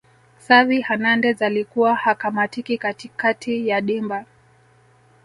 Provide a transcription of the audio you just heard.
xavi hernandez alikuwa hakamatiki katikati ya dimba